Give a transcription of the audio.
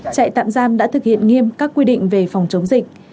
trại tạm giam đã thực hiện nghiêm các quy định về phòng chống dịch